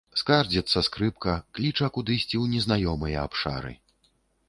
Скардзіцца скрыпка, кліча кудысьці ў незнаёмыя абшары.